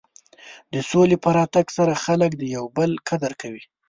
د سولې په راتګ سره خلک د یو بل قدر کوي.